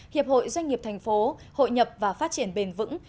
hiệp hội doanh nghiệp tp hcm hội nhập và phát triển bền vững